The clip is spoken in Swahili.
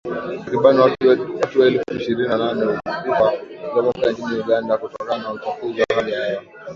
Takriban watu elfu ishirini na nane hufa kila mwaka nchini Uganda kutokana na uchafuzi wa hali ya hewa